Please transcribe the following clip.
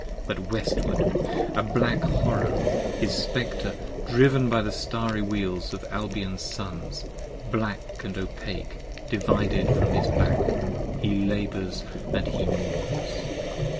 But Westward a black Horror, p. 6 HIS Spectre driv'n by the Starry Wheels of Albion's sons, black and Opake divided from his back; he labours and he mourns!